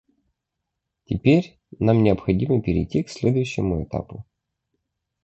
Теперь нам необходимо перейти к следующему этапу.